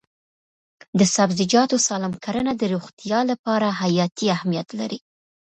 د سبزیجاتو سالم کرنه د روغتیا لپاره حیاتي اهمیت لري.